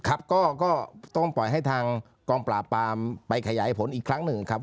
ครับก็ต้องปล่อยให้ทางกองปราบปรามไปขยายผลอีกครั้งหนึ่งครับ